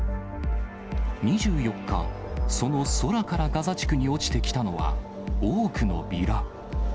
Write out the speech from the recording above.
２４日、その空からガザ地区に落ちてきたのは、多くのビラ。